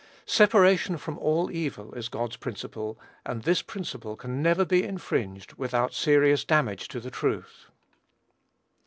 Separation from all evil is God's principle; and this principle can never be infringed without serious damage to the truth.